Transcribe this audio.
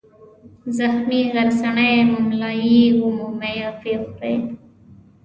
زخمي غرڅنۍ مُملایي ومومي او ویې خوري.